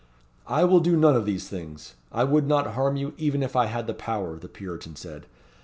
"I will do none of these things. I would not harm you, even if I had the power," the Puritan said.